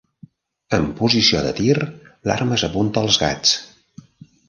En posició de tir, l'arma s'apunta als gats.